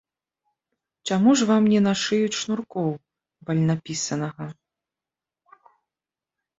Чаму ж вам не нашыюць шнуркоў вальнапісанага?